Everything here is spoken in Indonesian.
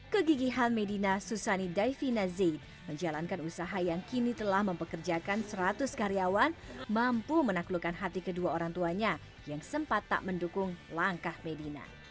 kegigihan medina susani daivina zait menjalankan usaha yang kini telah mempekerjakan seratus karyawan mampu menaklukkan hati kedua orang tuanya yang sempat tak mendukung langkah medina